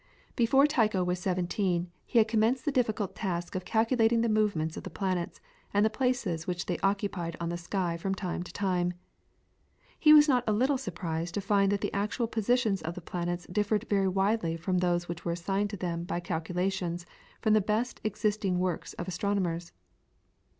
Before Tycho was seventeen he had commenced the difficult task of calculating the movements of the planets and the places which they occupied on the sky from time to time. He was not a little surprised to find that the actual positions of the planets differed very widely from those which were assigned to them by calculations from the best existing works of astronomers.